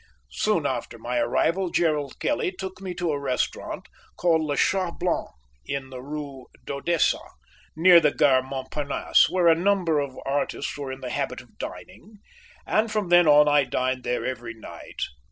Soon after my arrival, Gerald Kelly took me to a restaurant called Le Chat Blanc in the Rue d'Odessa, near the Gare Montparnasse, where a number of artists were in the habit of dining; and from then on I dined there every night.